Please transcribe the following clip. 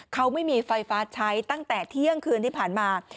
เขาไม่มีไฟฟ้าใช้ตั้งแต่เที่ยงคืนที่ผ่านมา